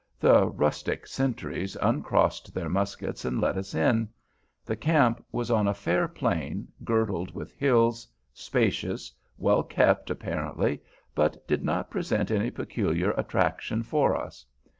The rustic sentries uncrossed their muskets and let us in. The camp was on a fair plain, girdled with hills, spacious, well kept apparently, but did not present any peculiar attraction for us.